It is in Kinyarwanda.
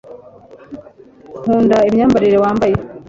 nkunda imyambarire wambaye